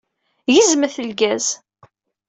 Gezmet lgaz!